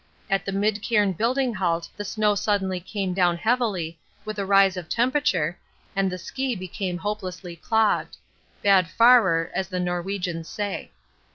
At the midcairn building halt the snow suddenly came down heavily, with a rise of temperature, and the ski became hopelessly clogged (bad fahrer, as the Norwegians say).